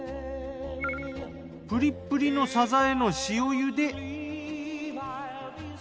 プリップリのサザエの塩茹で。